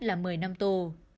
là một mươi năm tù